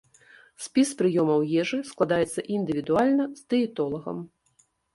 Спіс прыёмаў ежы складаецца індывідуальна з дыетолагам.